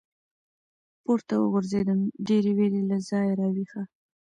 پـورتـه وغورځـېدم ، ډېـرې وېـرې له ځايـه راويـښه.